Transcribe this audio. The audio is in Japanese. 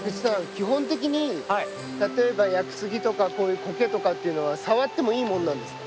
基本的に例えば屋久杉とかこういうコケとかっていうのは触ってもいいものなんですか？